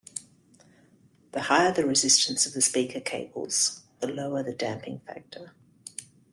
The higher the resistance of the speaker cables, the lower the damping factor.